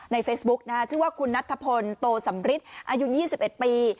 ในเฟซบุ๊กนะฮะชื่อว่าคุณนัทธพลโตสำริสอายุยี่สิบเอ็ดปี